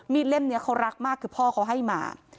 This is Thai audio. เล่มนี้เขารักมากคือพ่อเขาให้มา